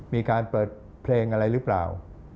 มีการเปิดเพลงอะไรหรือเปล่า